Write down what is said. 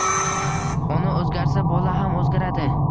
Ona o'zgarsa, bola ham o'zgaradi.